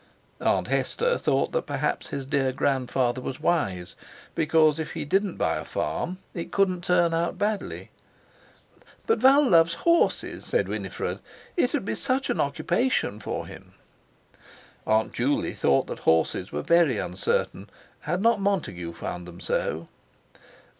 Aunt Hester thought that perhaps his dear grandfather was wise, because if he didn't buy a farm it couldn't turn out badly. "But Val loves horses," said Winifred. "It'd be such an occupation for him." Aunt Juley thought that horses were very uncertain, had not Montague found them so?